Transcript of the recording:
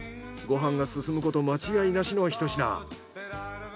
ご飯が進むこと間違いなしの一品。